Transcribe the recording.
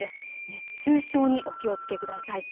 熱中症にお気をつけください。